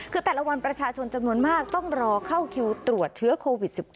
คือแต่ละวันประชาชนจำนวนมากต้องรอเข้าคิวตรวจเชื้อโควิด๑๙